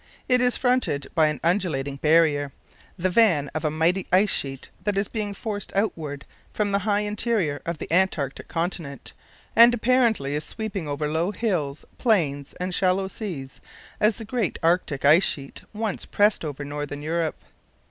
It is fronted by an undulating barrier, the van of a mighty ice sheet that is being forced outward from the high interior of the Antarctic Continent and apparently is sweeping over low hills, plains, and shallow seas as the great Arctic ice sheet once pressed over Northern Europe.